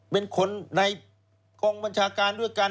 เป็นคนในกองบัญชาการด้วยกัน